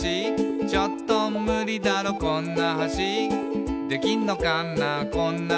「ちょっとムリだろこんな橋」「できんのかなこんな橋」